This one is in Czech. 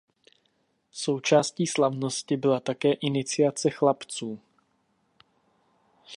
Součástí slavnosti byla také iniciace chlapců.